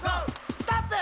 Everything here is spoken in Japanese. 「ストップ！」